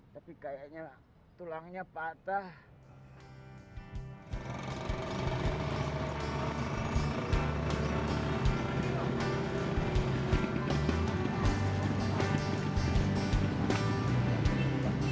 tapi kayaknya tulangnya patah